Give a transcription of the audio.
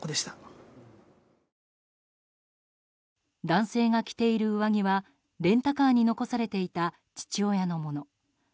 男性が着ている上着はレンタカーに残されていた父親のもの。